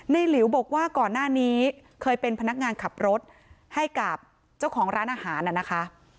หลิวบอกว่าก่อนหน้านี้เคยเป็นพนักงานขับรถให้กับเจ้าของร้านอาหารน่ะนะคะ